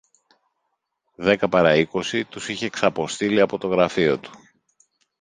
Δέκα πάρα είκοσι τους είχε ξαποστείλει από το γραφείο του